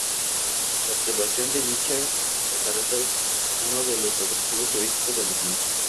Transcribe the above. La observación de dicha catarata es uno de los atractivos turísticos de la zona.